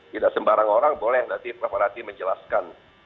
tidak sembarang orang boleh nanti prof radi menjelaskan